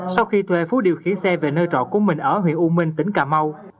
sau khi thuê phú điều khiển xe về nơi trọ của mình ở huyện u minh tỉnh cà mau